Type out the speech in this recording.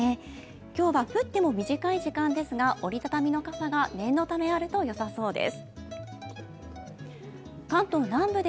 今日は降っても短い時間ですが折り畳み傘があると念のためあるとよさそうです。